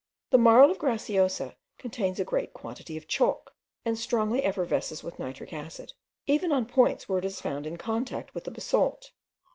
The marl of Graciosa contains a great quantity of chalk, and strongly effervesces with nitric acid, even on points where it is found in contact with the basalt.